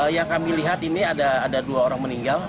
yang kami lihat ini ada dua orang meninggal